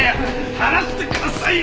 離してくださいよ！